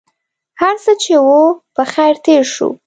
هرڅه چې و په خیر تېر شو.